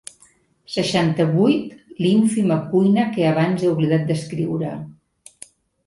Seixanta-vuit l'ínfima cuina que abans he oblidat descriure.